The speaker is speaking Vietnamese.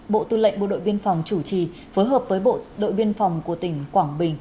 bộ tư lệnh bộ đội biên phòng chủ trì phối hợp với bộ đội biên phòng của tỉnh quảng bình